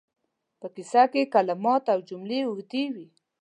که په کیسه کې کلمات او جملې اوږدې وي